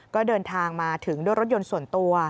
ก็เดินทางมาถึงด้วยรถยนต์ส่วนตัว